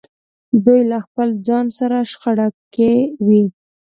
دوی له خپل ځان سره شخړه کې وي.